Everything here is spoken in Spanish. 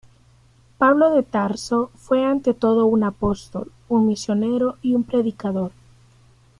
Pablo de Tarso fue ante todo un apóstol, un misionero y un predicador.